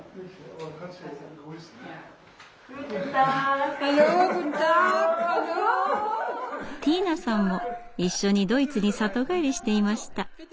ティーナさんも一緒にドイツに里帰りしていました。